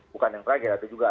bukan yang terakhir tapi juga